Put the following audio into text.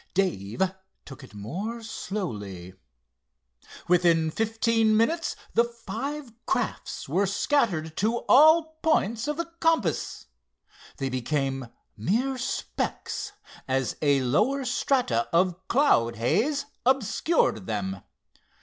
Dave took it more slowly. Within fifteen minutes the five crafts were scattered to all points of the compass. They became mere specks as a lower strata of cloud haze obscured them.